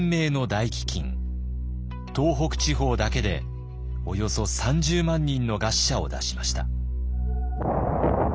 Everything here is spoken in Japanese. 東北地方だけでおよそ３０万人の餓死者を出しました。